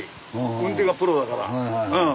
運転がプロだからうん。